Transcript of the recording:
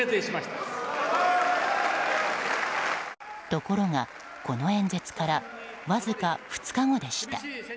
ところが、この演説からわずか２日後でした。